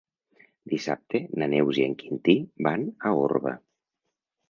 Dissabte na Neus i en Quintí van a Orba.